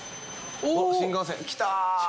おっ新幹線来た！